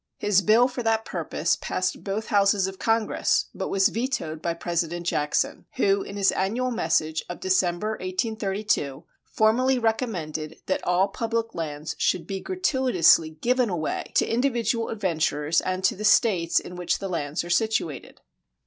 His bill for that purpose passed both Houses of Congress, but was vetoed by President Jackson, who, in his annual message of December, 1832, formally recommended that all public lands should be gratuitously given away to individual adventurers and to the States in which the lands are situated.